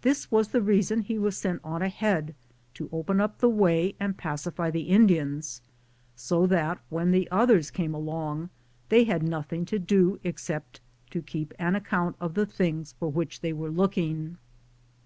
This was the reason he was sent on ahead to open up the way and pacify the Indians, so that when the others came along they had nothing to do except to keep an account of the things for which they were looking.